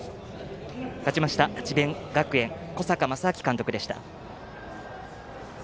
勝ちました、智弁学園小坂将商監督でした。